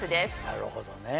なるほどね。